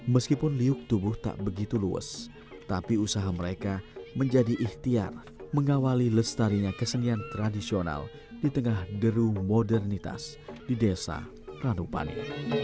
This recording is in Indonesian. meskipun liuk tubuh tak begitu luas tapi usaha mereka menjadi ikhtiar mengawali lestarinya kesenian tradisional di tengah deru modernitas di desa ranupani